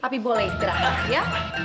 papi boleh istirahat ya